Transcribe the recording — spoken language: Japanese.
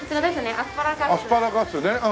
アスパラガスねうん。